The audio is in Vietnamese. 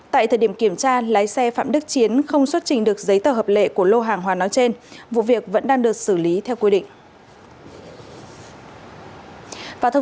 tại thời điểm kiểm tra lái xe phạm đức chiến không xuất trình được giấy tờ hợp lệ của lô hàng hóa nói trên vụ việc vẫn đang được xử lý theo quy định